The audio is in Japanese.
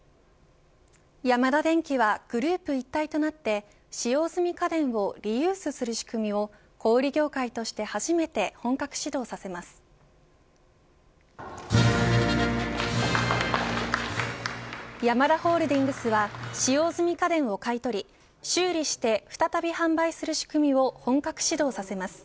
ヤマダデンキはグループ一体となって使用済み家電をリユースする仕組みを小売り業界として初めて本格始動させます。